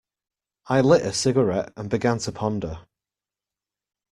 I lit a cigarette and began to ponder.